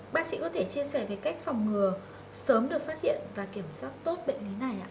bác sĩ có thể chia sẻ về cách phòng ngừa sớm được phát hiện và kiểm soát tốt bệnh lý này ạ